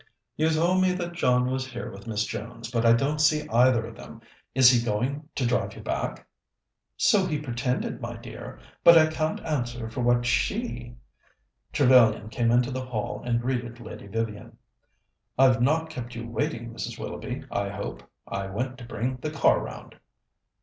"You told me that John was here with Miss Jones, but I don't see either of them. Is he going to drive you back?" "So he pretended, my dear, but I can't answer for what she " Trevellyan came into the hall and greeted Lady Vivian. "I've not kept you waiting, Mrs. Willoughby, I hope? I went to bring the car round."